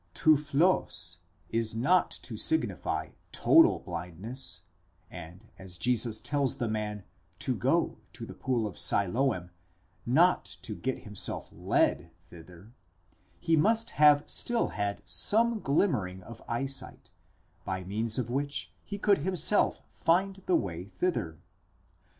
Τυφλὸς is not to signify total blindness, and as Jesus tells the man 29 go to the pool of Siloam, not to get himself led thither, he must have still had some glimmering of eye sight, by means of which he could himself find the way thither.